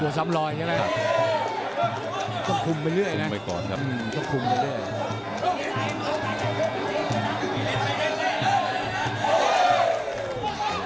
สมรอยกันลองคุมไปนิดนึงก่อนได้คุมไปก่อนครับ